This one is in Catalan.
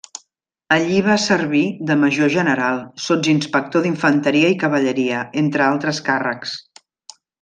Allí va servir de Major General, sotsinspector d'Infanteria i Cavalleria, entre altres càrrecs.